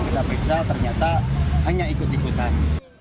kita periksa ternyata hanya ikut ikutan